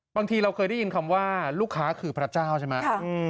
บางทีเราเคยได้ยินคำว่าลูกค้าคือพระเจ้าใช่ไหม